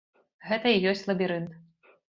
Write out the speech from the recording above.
Гэта і ёсць лабірынт.